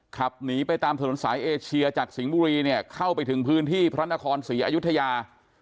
ขับหนีไปตามถนนสายเอเชียจากสิงห์บุรีเนี่ยเข้าไปถึงพื้นที่พระนครศรีอยุธยา